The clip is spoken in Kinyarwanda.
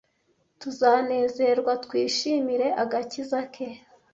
tuzanezerwa twishimire agakiza ke